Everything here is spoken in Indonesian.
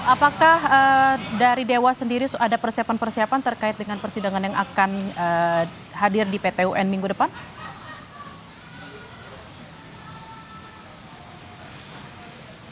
apakah dari dewa sendiri ada persiapan persiapan terkait dengan persidangan yang akan hadir di pt un minggu depan